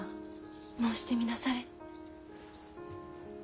申してみなされ。